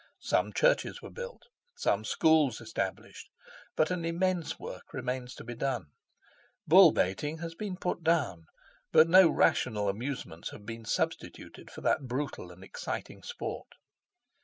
Some churches were built, some schools established; but an immense work remains to be done. Bull baiting has been put down, but no rational amusements have been substituted for that brutal and exciting sport.